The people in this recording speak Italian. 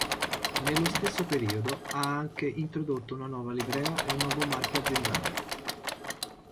Nello stesso periodo ha anche introdotto una nuova livrea e un nuovo marchio aziendale.